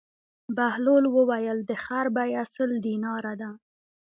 بهلول وویل: د خر بېه سل دیناره ده.